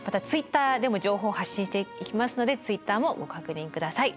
またＴｗｉｔｔｅｒでも情報を発信していきますのでＴｗｉｔｔｅｒもご確認下さい。